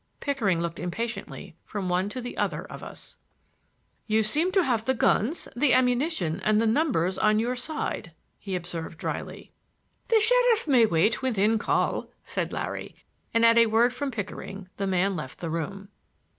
Pickering looked impatiently from one to the other of us. "You seem to have the guns, the ammunition and the numbers on your side," he observed dryly. "The sheriff may wait within call," said Larry, and at a word from Pickering the man left the room.